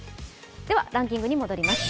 ランキングに戻ります